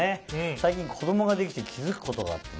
最近子供ができて気付くことがあってね。